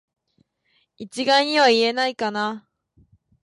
一概には言えないかな